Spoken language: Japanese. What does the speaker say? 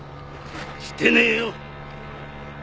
してねぇよ